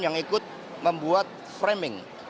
yang ikut membuat framing